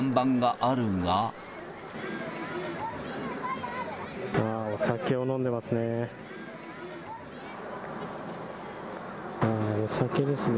ああ、お酒を飲んでますね。